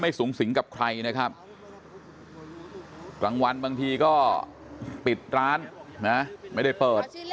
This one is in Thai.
สูงสิงกับใครนะครับกลางวันบางทีก็ปิดร้านนะไม่ได้เปิด